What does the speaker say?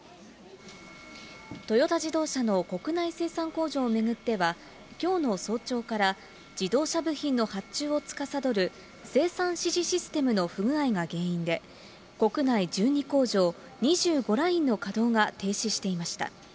トヨタ自動車の国内生産工場を巡っては、きょうの早朝から、自動車部品の発注をつかさどる生産指示システムの不具合が原因で、国内１２工場、２５ラインの稼働が停止していました。